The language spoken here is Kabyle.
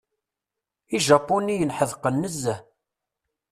Ijapuniyen ḥedqen nezzeh.